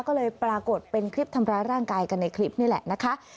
ก็เลยปรากฏเป็นคลิปทำร้ายร่างกายกันในคลิปนี่แหละนะคะ